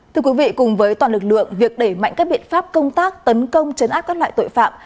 thưa quý vị cùng với toàn lực lượng việc đẩy mạnh các biện pháp công tác tấn công chấn áp các loại tội phạm